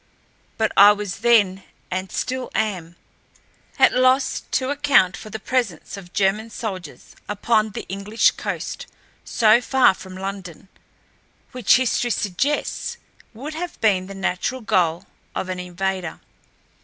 But I was then, and still am, at loss to account for the presence of German soldiers upon the English coast so far from London, which history suggests would have been the natural goal of an invader.